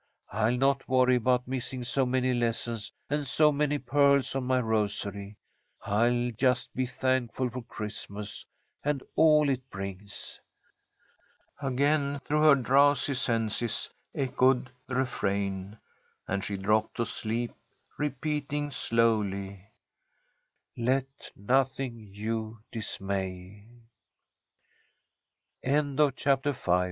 I'll not worry about missing so many lessons and so many pearls on my rosary. I'll just be thankful for Christmas and all it brings." Again through her drowsy senses echoed the refrain, and she dropped to sleep, repeating, slowly, "'Let nothing you dismay!'" CHAPTER VI.